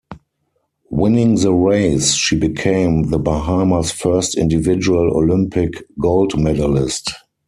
Winning the race, she became the Bahamas' first individual Olympic gold medalist.